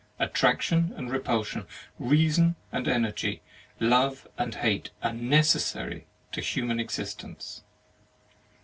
Attraction and repulsion, rea son and energy, love and hate, are necessary to human existence.